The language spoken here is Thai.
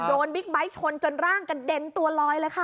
บิ๊กไบท์ชนจนร่างกระเด็นตัวลอยเลยค่ะ